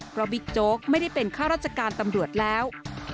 เพราะบิ๊กโจ๊กไม่ได้เป็นข้าราชการตำรวจแล้ว